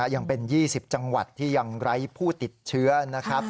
ยังเป็น๒๐จังหวัดที่ยังไร้ผู้ติดเชื้อนะครับ